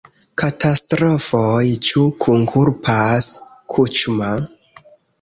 Katastrofoj: ĉu kunkulpas Kuĉma?